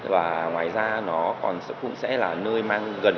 và ngoài ra nó còn cũng sẽ là nơi mang gần